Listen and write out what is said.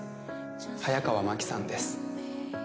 早川麻希さんです。